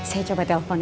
saya coba teleponin ya